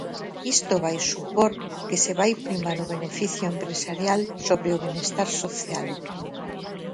Isto vai supor que se vai primar o beneficio empresarial sobre o benestar social.